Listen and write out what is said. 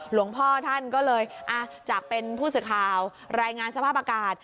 หลวงพ่อท่านก็เลยจากเป็นผู้สื่อข่าวรายงานสภาพอากาศ